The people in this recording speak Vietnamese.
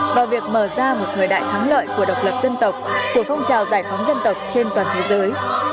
vào việc mở ra một thời đại thắng lợi của độc lập dân tộc của phong trào giải phóng dân tộc trên toàn thế giới